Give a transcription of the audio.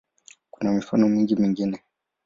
Kuna mifano mingi mingine.